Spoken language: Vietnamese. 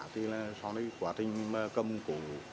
thì là sau đó quá trình cầm cụ